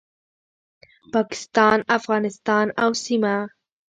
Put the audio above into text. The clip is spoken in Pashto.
پاکستان، افغانستان او سیمه